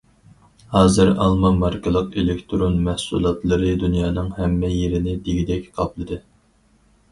ھازىر ئالما ماركىلىق ئېلېكتىرون مەھسۇلاتلىرى دۇنيانىڭ ھەممە يېرىنى دېگۈدەك قاپلىدى.